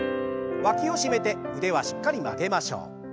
わきを締めて腕はしっかり曲げましょう。